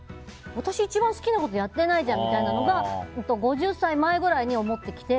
私、一番好きなことやってないじゃんみたいなことを５０歳前ぐらいに思ってきて。